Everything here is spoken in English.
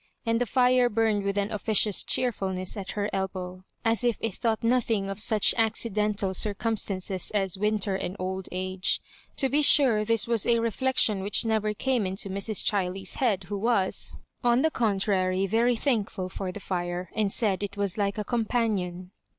And the fire burned with an officious cheerfulness at her elbow, as if it thought nothing of such accidental circumstan ces as winter and old age. To be sure this was a reflection which never came into Mrs. Chiley's head, who was, on the contrary, very thankful for the fire, and said it was like a companion.